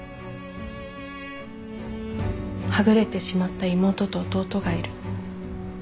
「はぐれてしまった妹と弟がいる。